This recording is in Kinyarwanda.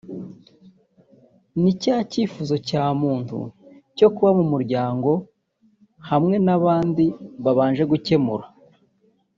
ni cya cyifuzo cya muntu cyo kuba mu muryango hamwe n’abandi babanje gukemura